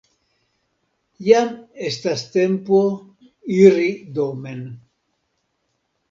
Jam estas tempo iri domen.